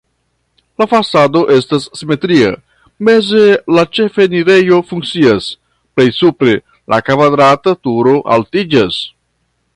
La fasado estas simetria, meze la ĉefenirejo funkcias, plej supre la kvadrata turo altiĝas.